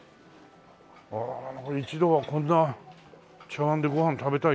一度はこんな茶碗でご飯食べたいよな。